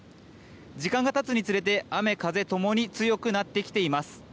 時間がたつにつれて、雨風ともに強くなってきています。